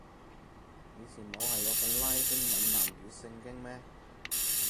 以前冇係有本拉丁閩南語聖經咩